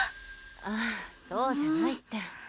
ああそうじゃないって。